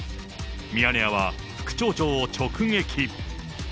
ミヤネ屋は副町長を直撃。